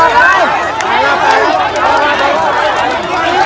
สวัสดีครับ